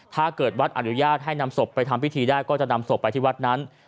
ถ้าเกิดวัดอนุญาตให้นำศพไปทำพิธีได้ก็จะนำศพไปที่วัดนั้น